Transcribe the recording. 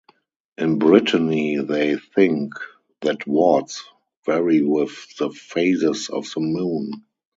In Brittany they think that warts vary with the phases of the moon.